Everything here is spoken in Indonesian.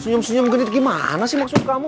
senyum senyum gendit gimana sih maksud kamu